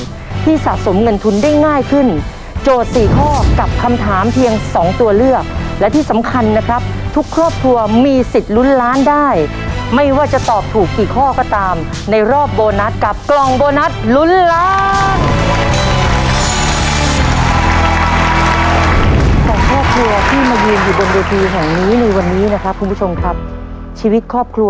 ของทุกคนภายใต้กติกาใหม่ที่สะสมเงินทุนได้ง่ายขึ้นโจทย์สี่ข้อกับคำถามเพียงสองตัวเลือกและที่สำคัญนะครับทุกครอบครัวมีศิษย์รุนล้านได้หรือไม่ว่าจะตอบถูกกี่ข้อก็ตามในรอบโบนัสกับกลองโบนัสรุนล้านค่ะ